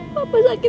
papa sakit kanker